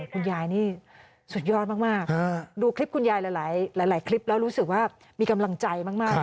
คุณยายนี่สุดยอดมากดูคลิปคุณยายหลายคลิปแล้วรู้สึกว่ามีกำลังใจมาก